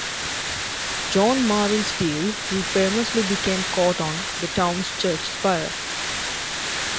John Marvin Steele who famously became caught on the town's church spire.